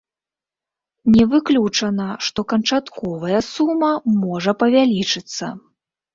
Не выключана, што канчатковая сума можа павялічыцца.